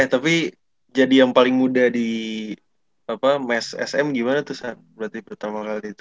tapi jadi yang paling muda di mes sm gimana tuh saat berarti pertama kali itu